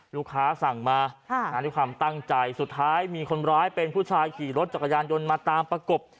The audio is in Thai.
สั่งมาด้วยความตั้งใจสุดท้ายมีคนร้ายเป็นผู้ชายขี่รถจักรยานยนต์มาตามประกบ